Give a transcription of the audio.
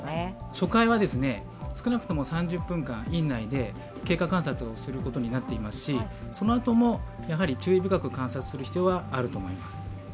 初回は少なくとも３０分間、院内で経過観察をすることになっていますしそのあとも注意深く観察する必要はあると思います。